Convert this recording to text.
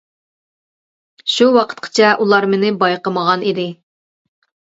شۇ ۋاقىتقىچە ئۇلار مېنى بايقىمىغان ئىدى.